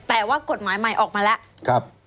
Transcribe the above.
แต่ว่ากฎหมายใหม่ออกมาแล้ว